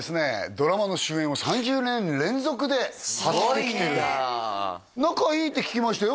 ドラマの主演を３０年連続ですごいんだすごいね仲いいって聞きましたよ